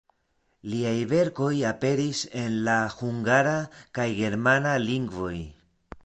Liaj verkoj aperis en la hungara, kaj germana lingvoj.